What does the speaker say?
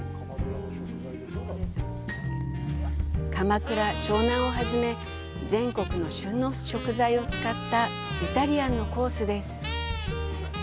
鎌倉、湘南を初め全国の旬の食材を使ったイタリアンのコースです。